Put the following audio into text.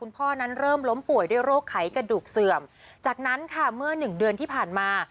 พ่อนั้นเริ่มล้มป่วยด้วยโรคไขกระดูกเสื่อมจากนั้นค่ะเมื่อหนึ่งเดือนที่ผ่านมา